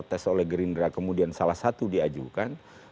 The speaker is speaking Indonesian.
dan dipertest oleh gerindra kemudian salah satu diajukan